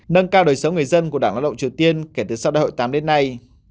nâng cao đời sống người dân của đảng lao động triều tiên kể từ sau đại hội tám đến nay